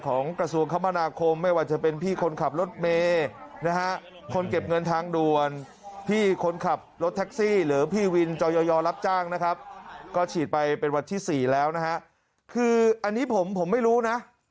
คืออันนี้ผมไม่รู้นะ